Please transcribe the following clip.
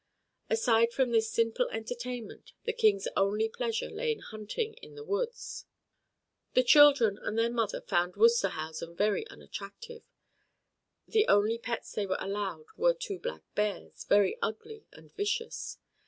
Aside from this simple entertainment, the King's only pleasure lay in hunting in the woods. The children and their mother found Wusterhausen very unattractive. The only pets they were allowed were two black bears, very ugly and vicious.